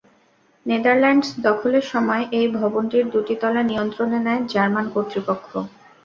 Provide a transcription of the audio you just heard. Netherlands দখলের সময় এই ভবনটির দুটি তলা নিয়ন্ত্রণে নেয় জার্মান কর্তৃপক্ষ।